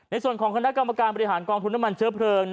ในส่วนของคณะกรรมการบริหารกองทุนน้ำมันเชื้อเพลิง